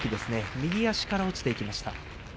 右足から落ちていきました。